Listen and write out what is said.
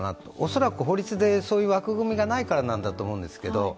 恐らく、法律でそういう枠組みがないからだと思うんですけど。